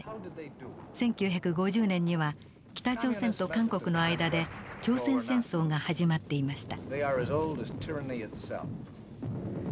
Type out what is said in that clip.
１９５０年には北朝鮮と韓国の間で朝鮮戦争が始まっていました。